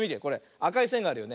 あかいせんがあるよね。